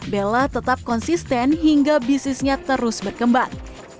bella tetap konsisten hingga bisnisnya terus berkembang